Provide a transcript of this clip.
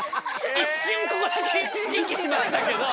一瞬ここだけ息しましたけど。